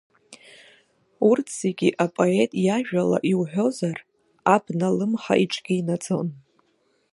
Урҭ зегьы апоет иажәала иуҳәозар, абна алымҳа иҿгьы инаӡон…